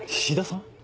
菱田さん？